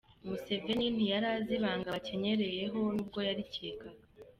Museveni ntiyari azi ibanga bakenyereyeho nubwo yarikekaga.